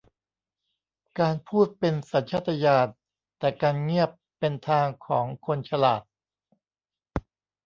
การพูดเป็นสัญชาตญาณ แต่การเงียบเป็นทางของคนฉลาด